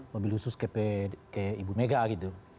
mobil khusus ke ibu mega gitu